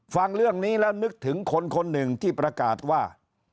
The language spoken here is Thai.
ฟังเรื่องนี้แล้วนึกถึงคนคนหนึ่งที่ประกาศว่า